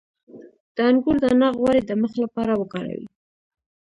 د انګور دانه غوړي د مخ لپاره وکاروئ